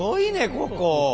ここ。